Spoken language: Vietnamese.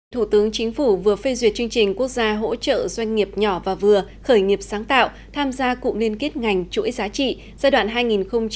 thủ tướng chính phủ vừa phê duyệt chương trình quốc gia hỗ trợ doanh nghiệp nhỏ và vừa khởi nghiệp sáng tạo tham gia cụm liên kết ngành chuỗi giá trị giai đoạn hai nghìn một mươi sáu hai nghìn hai mươi